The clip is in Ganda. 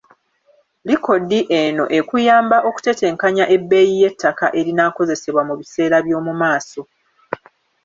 Likodi eno ekuyamba okutetenkanya ebbeeyi y’ettaka erinaakozesebwa mu biseera by’omu maaso.